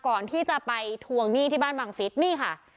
ก่อนที่จะไปทวงหนี้ที่บ้านบังฟิศนี่ค่ะ